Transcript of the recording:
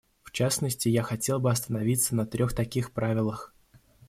В частности, я хотел бы остановиться на трех таких правилах.